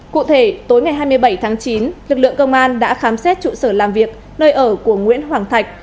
cụ thể tối ngày hai mươi bảy tháng chín lực lượng công an đã khám xét trụ sở làm việc nơi ở của nguyễn hoàng thạch